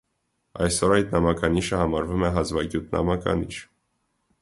Այսօր այդ նամականիշը համարվում է հազվագյուտ նամականիշ։